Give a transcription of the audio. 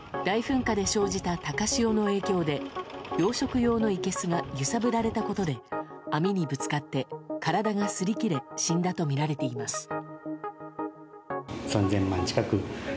大噴火で生じた高潮の影響で養殖用のいけすが揺さぶられたことで網にぶつかって体が擦り切れ死んだとみられています。